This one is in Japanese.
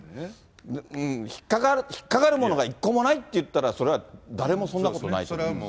うん、引っかかるものが一個もないといったら、それは誰もそんなことないと思う。